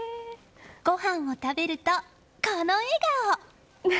ごはんを食べると、この笑顔！